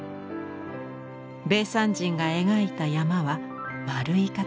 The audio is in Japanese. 米山人が描いた山は丸い形。